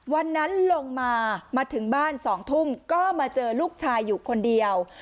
วันนั้นลงมามาถึงบ้าน๒ทุ่มก็มาเจอลูกชายอยู่คนเดียว